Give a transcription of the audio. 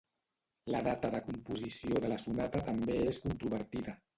La data de composició de la sonata també és controvertida.